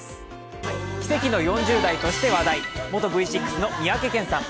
奇跡の４０代として話題元Ｖ６の三宅健さん。